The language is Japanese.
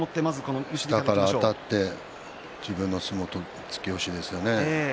下からあたって自分の相撲、突き押しですよね。